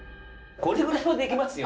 これぐらいはできますよ。